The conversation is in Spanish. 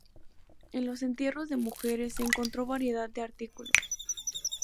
En los entierros de mujeres se encontró variedad de artículos.